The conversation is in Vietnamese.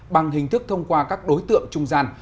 bằng hình thức thông qua các đối tượng trung gian